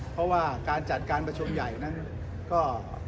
เพราะว่าการจัดการประชุมใหญ่นั้นก็